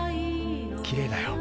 きれいだよ。